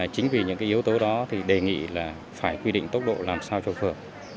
chính vì những yếu tố đó thì đề nghị là phải quy định tốc độ làm sao cho phường